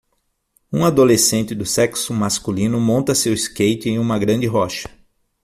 Um adolescente do sexo masculino monta seu skate em uma grande rocha.